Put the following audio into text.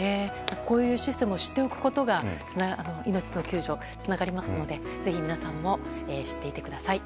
こういうシステムを知っておくことが命の救助につながりますのでぜひ皆さんも知っていてください。